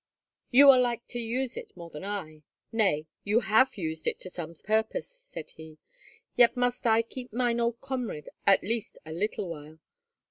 "You are like to use it more than I,—nay, you have used it to some purpose," said he. "Yet must I keep mine old comrade at least a little while.